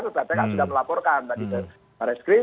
pt atk sudah melaporkan tadi ke raskrim